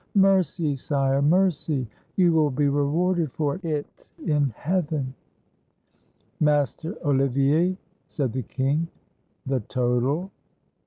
Mercy, sire! mercy! You will be rewarded for it in heaven." "Master Olivier," said the king, "the total?"